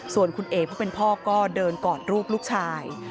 ส่วนคุณเอ๋ผู้เป็นพ่อก็เดินกอดรูปลูกชาย